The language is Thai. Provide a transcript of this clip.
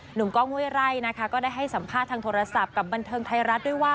กล้องห้วยไร่นะคะก็ได้ให้สัมภาษณ์ทางโทรศัพท์กับบันเทิงไทยรัฐด้วยว่า